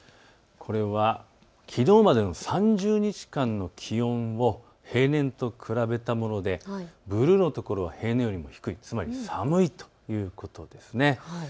これはきのうまでの３０日間の気温を平年と比べたものでブルーの所は平年よりも低い、つまり寒いということです。